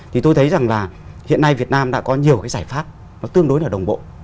thì tôi thấy rằng là hiện nay việt nam đã có nhiều cái giải pháp nó tương đối là đồng bộ